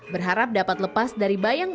berharap dapat lepas dari bayang